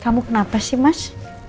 kamu kenapa sih mas